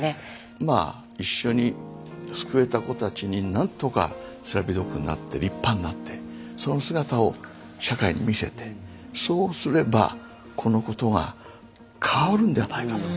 まあ一緒に救えた子たちに何とかセラピードッグになって立派になってその姿を社会に見せてそうすればこのことが変わるんじゃないかと。